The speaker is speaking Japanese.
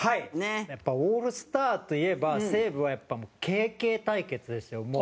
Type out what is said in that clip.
やっぱ、オールスターといえば西武は、やっぱＫＫ対決ですよ、もう。